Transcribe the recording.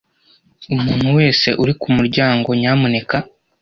Umuntu wese uri kumuryango, nyamuneka